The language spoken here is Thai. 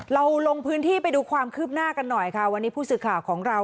ลงพื้นที่ไปดูความคืบหน้ากันหน่อยค่ะวันนี้ผู้สื่อข่าวของเรา